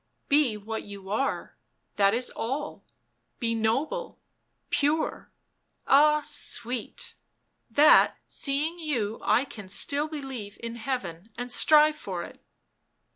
" Be what you are — that is all. Be noble, pure — ah, sweet !— that seeing you I can still believe in heaven and strive for it."